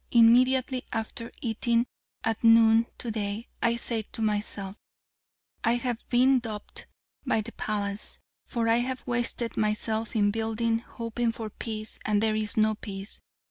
Immediately after eating at noon to day, I said to myself: 'I have been duped by the palace: for I have wasted myself in building, hoping for peace, and there is no peace.